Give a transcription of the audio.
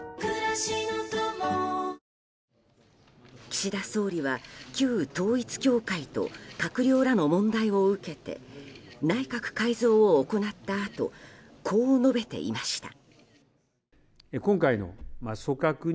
岸田総理は旧統一教会と閣僚らの問題を受けて内閣改造を行ったあとこう述べていました。